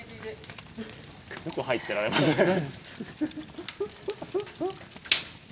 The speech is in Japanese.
よく入ってられますね。